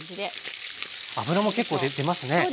脂も結構出ますね豚バラ。